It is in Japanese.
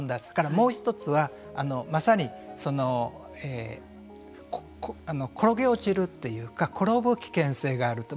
もう一つはまさに転げ落ちるというか転ぶ危険性があると。